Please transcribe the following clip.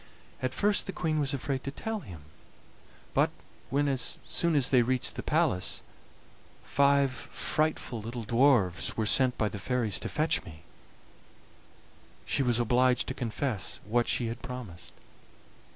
At first the Queen was afraid to tell him, but when, as soon as they reached the palace, five frightful little dwarfs were sent by the fairies to fetch me, she was obliged to confess what she had promised.